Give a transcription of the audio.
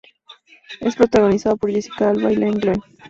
Es protagonizada por Jessica Alba y Iain Glen.